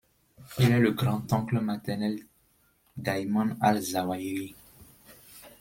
Il est le grand-oncle maternel d'Ayman al-Zawahiri.